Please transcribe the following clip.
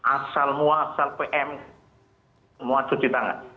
asal mua asal pm semua cuci tangan